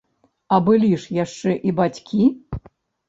А былі ж яшчэ і бацькі!